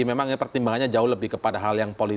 memang pertimbangannya jauh lebih kepada hal yang penting